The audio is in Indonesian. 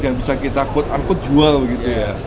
yang bisa kita quote unquote jual begitu ya